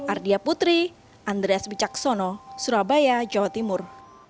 ardia putri andreas bijaksono surabaya jawa timur